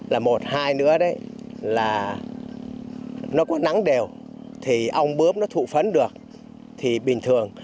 là một hai nữa đấy là nó có nắng đều thì ong bướm nó thụ phấn được thì bình thường